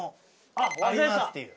「あります」っていう。